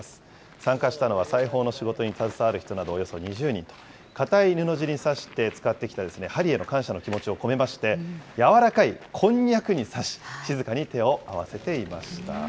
参加したのは裁縫の仕事に携わる人などおよそ２０人と、硬い布地に刺して使ってきた針への感謝の気持ちを込めまして、やわらかいこんにゃくに刺し、静かに手を合わせていました。